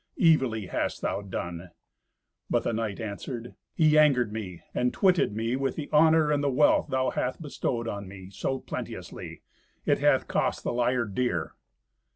Evilly hast thou done." But the knight answered, "He angered me, and twitted me with the honour and the wealth thou hast bestowed on me so plenteously. It hath cost the liar dear."